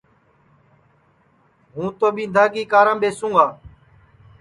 ہوں تو ٻِندھا کی کارام ٻیسوں گا